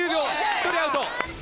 １人アウト！